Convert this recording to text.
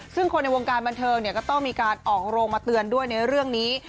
ซึ่งคนในวงการบันเทิงก็ต้องมีการออกโรงมาเตือนด้วยในเรื่องนี้